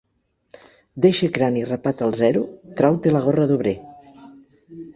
D'eixe crani rapat al zero, trau-te la gorra d'obrer!